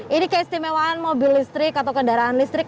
ini keistimewaan mobil listrik atau kendaraan listrik